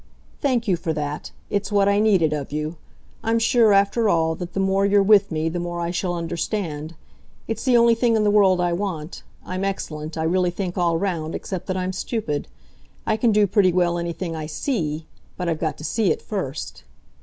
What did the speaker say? "Thank you for that it's what I needed of you. I'm sure, after all, that the more you're with me the more I shall understand. It's the only thing in the world I want. I'm excellent, I really think, all round except that I'm stupid. I can do pretty well anything I SEE. But I've got to see it first."